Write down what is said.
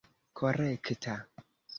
korekta